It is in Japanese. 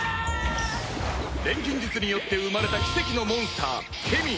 錬金術によって生まれた奇跡のモンスターケミー